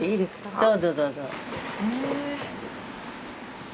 どうぞどうぞ。